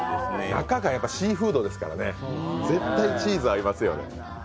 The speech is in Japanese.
中がシーフードですから絶対チーズ合いますよね。